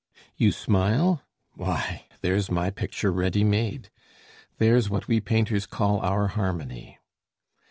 You smile? why, there's my picture ready made; There's what we painters call our harmony!